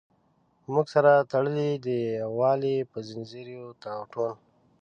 موږ سره تړلي د یووالي په زنځیر یو ټول.